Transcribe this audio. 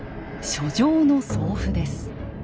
書状の送付です。